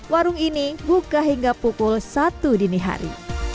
warung ini buka hingga pukul satu dini hari